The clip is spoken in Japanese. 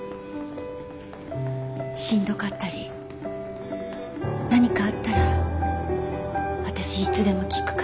しんどかったり何かあったら私いつでも聞くから。